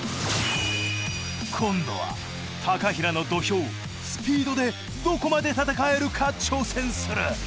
今度は平の土俵スピードでどこまで戦えるか挑戦する。